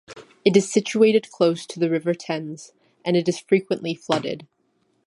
It is situated close to the River Thames, and it is frequently flooded.